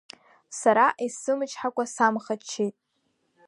Сара исзымычҳакәа самхаччеит…